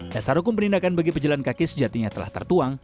dasar hukum penindakan bagi pejalan kaki sejatinya telah tertuang